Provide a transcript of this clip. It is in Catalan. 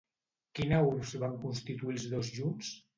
Quina urbs van constituir els dos junts?